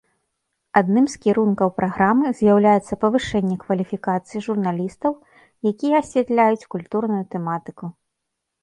Адным з кірункаў праграмы з'яўляецца павышэнне кваліфікацыі журналістаў, якія асвятляюць культурную тэматыку.